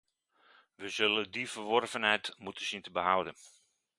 We zullen die verworvenheid moeten zien te behouden.